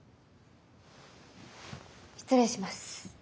失礼します。